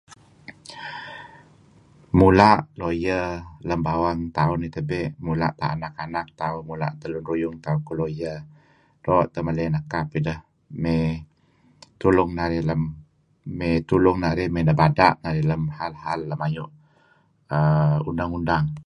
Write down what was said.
Mula' lawyer lem bawang tauh nih tabe. Mula' anak-anak tak tauh mula' teh Lun Tauh kuh lawyer. Doo' teh maley nekap ideh. May tulung narih lem, may tulung narih, may nebada' narih lem hal-hal mayu' uhm undang-undang.